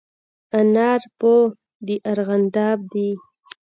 انار په د ارغانداب دي